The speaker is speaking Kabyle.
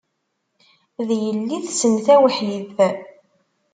D yelli-tsen tawḥidt.